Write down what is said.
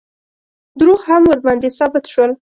دروغ هم ورباندې ثابت شول.